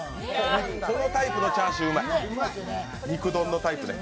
このタイプのチャーシューうまい、肉丼タイプで。